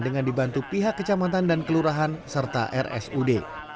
dengan dibantu pihak kecamatan dan kelurahan serta rsud